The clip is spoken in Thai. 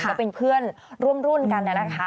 ก็เป็นเพื่อนร่วมรุ่นกันนะคะ